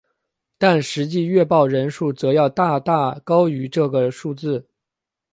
但实际阅报人数则要大大高于这个数字。